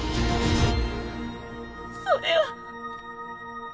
それは。